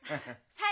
はい！